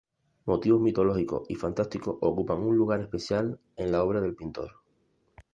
Motivos mitológicos y fantásticos ocupan un lugar especial en la obra del pintor.